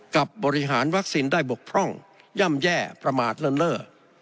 กับบริหารวัคซินได้บกพร่องย่ำแย่ประมาทเลอะ